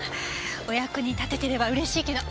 お役に立ててれば嬉しいけど。